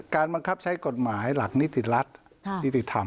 บังคับใช้กฎหมายหลักนิติรัฐนิติธรรม